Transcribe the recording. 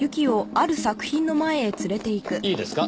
いいですか？